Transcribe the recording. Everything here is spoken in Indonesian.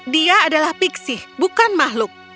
dia adalah piksih bukan makhluk